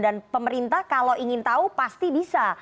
dan pemerintah kalau ingin tahu pasti bisa